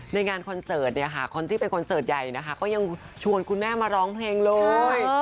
ในงานคอนเสิร์ตคนที่เป็นคอนเสิร์ตใหญ่ก็ยังชวนคุณแม่มาร้องเพลงเลย